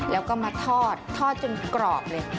แล้วก็มาทอดทอดจนกรอบเลย